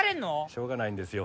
しょうがないんですよ